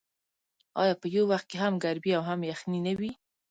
آیا په یو وخت کې هم ګرمي او هم یخني نه وي؟